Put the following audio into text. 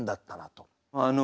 あの。